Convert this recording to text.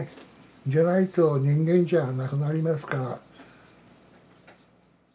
じゃないと人間じゃあなくなりますから。